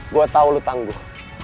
gue tau lo tangguh